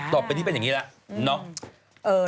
ต่อไปนี่เป็นอย่างนี้แหละ